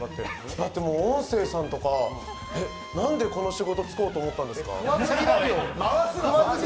だってもう、音声さんとかなんでこの仕事就こうと思ったんですか。